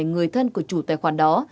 người thân của chủ tài khoản đó